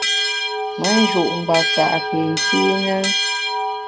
Me nju’ ngbasa’ ke nkîne ?